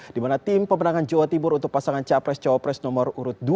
di mana tim pemenangan jawa timur untuk pasangan capres cawapres nomor urut dua